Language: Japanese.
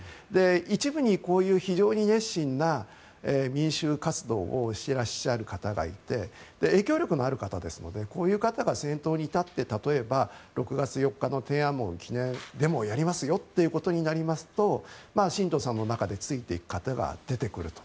一部にこういう非常に熱心な民主活動をしてらっしゃる方がいて影響力のある方ですのでこういう方が先頭に立って例えば６月４日の天安門記念デモをやりますよということになりますと信徒さんの中でついていく方が出てくると。